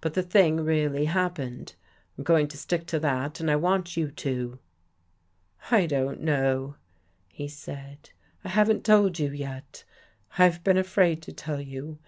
But the thing really happened. I'm going to stick to that and I want you to." '' I don't know," he said. " I haven't told you yet. I've been afraid to tell you.